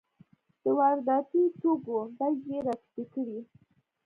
د وارداتي توکو بیې یې راټیټې کړې.